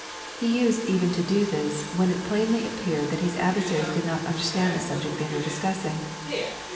He used even to do this when it plainly appeared that his adversaries did not understand the subject they were discussing.